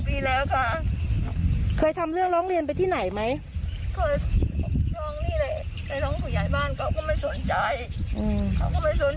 นี่ยายก็เต็มที่นะร้องหุ่มร้อง